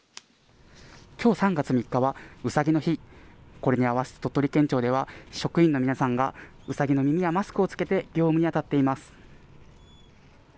きょう３月３日はうさぎの日これに合わせて鳥取県町では職員の皆さんがうさぎの耳やマスクを着けて業務に当たっています。